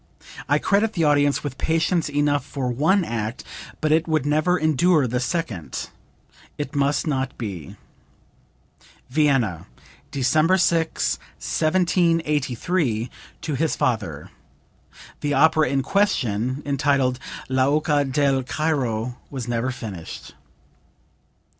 I credit the audience with patience enough for one act, but it would never endure the second. It must not be." (Vienna, December 6, 1783, to his father. The opera in question, entitled "L'Oca del Cairo," was never finished.)